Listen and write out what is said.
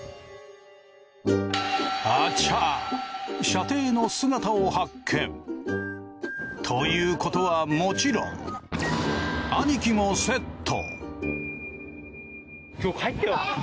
あちゃ舎弟の姿を発見。ということはもちろん兄貴もセット。